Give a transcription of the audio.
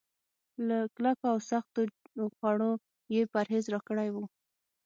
له کلکو او سختو خوړو يې پرهېز راکړی و.